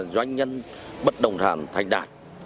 doanh nhân bất đồng thản thanh đá